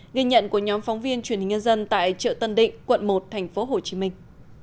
nghe nhận của nhóm phóng viên truyền hình nhân dân tại chợ tân định quận một thành phố hồ chí minh